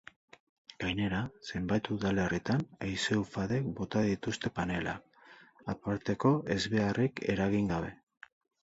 Gainera, zenbait udalerritan haize-ufadek bota dituzte panelak, aparteko ezbeharrik eragin gabe.